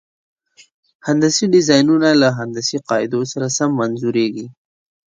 هندسي ډیزاینونه له هندسي قاعدو سره سم انځوریږي.